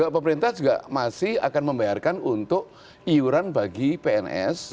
pemerintah juga masih akan membayarkan untuk iuran bagi pns